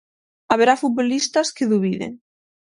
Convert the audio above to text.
Haberá futbolistas que dubiden.